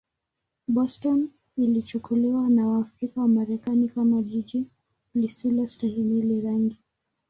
Boston ilichukuliwa na Waafrika-Wamarekani kama jiji lisilostahimili rangi.